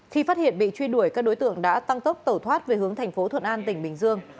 khi phát hiện bị truy đuổi các đối tượng đã tăng tốc tẩu thoát về hướng thành phố thuận an tỉnh bình dương